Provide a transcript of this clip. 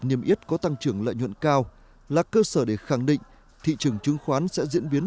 niêm yết có tăng trưởng lợi nhuận cao là cơ sở để khẳng định thị trường chứng khoán sẽ diễn biến